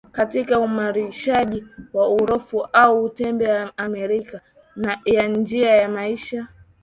katika uimarishaji wa Uropa au tuseme Amerika ya njia ya maisha